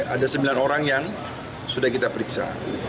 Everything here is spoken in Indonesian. ada sembilan orang yang sudah kita periksa